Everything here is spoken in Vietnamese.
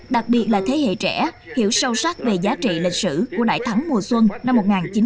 đặc biệt là thế hệ trẻ hiểu sâu sắc về giá trị lịch sử của đại thắng mùa xuân năm một nghìn chín trăm bảy mươi năm